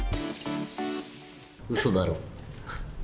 うそだろ。